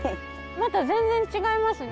また全然違いますね！